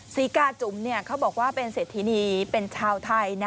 ศรีกาจุ๋มเขาบอกว่าเป็นเศรษฐินีเป็นชาวไทยนะ